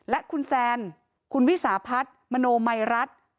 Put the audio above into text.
และคุณแซนคุณวิสาพัฒน์มโนมัยรัฐ